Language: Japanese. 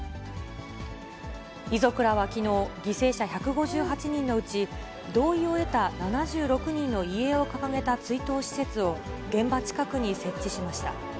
遺族らはきのう、犠牲者１５８人のうち、同意を得た７６人の遺影を掲げた追悼施設を、現場近くに設置しました。